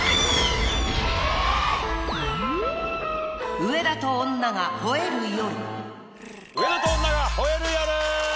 『上田と女が吠える夜』！